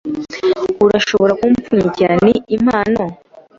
Urashobora kumpfunyikira? Ni impano.